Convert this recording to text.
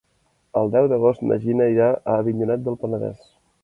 El deu d'agost na Gina irà a Avinyonet del Penedès.